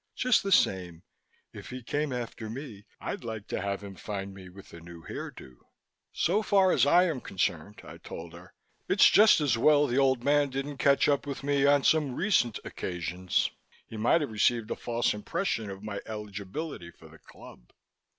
Just the same, if He came after me I'd like to have Him find me with a new hairdo." "So far as I am concerned," I told her, "it's just as well the Old Man didn't catch up with me on some recent occasions. He might have received a false impression of my eligibility for the Club."